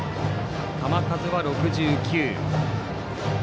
球数は６９。